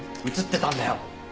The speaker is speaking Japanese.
映ってたんだよ。